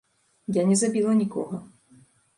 Я не забіла нікога.